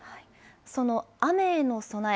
その雨への備え。